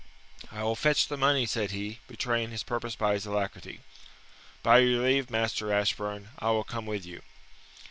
"I will fetch the money," said he, betraying his purpose by his alacrity. "By your leave, Master Ashburn, I will come with you."